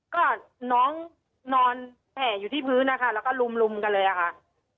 ก็น้องนอนแห่อยู่ที่พื้นนะคะแล้วก็ลุมกันเลยอะค่ะ